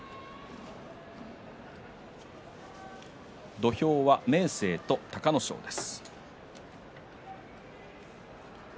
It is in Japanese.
土俵は明生と隆の勝です。